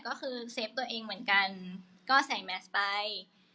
ก็คือเซฟตัวเองเหมือนกันก็ใส่แมสไป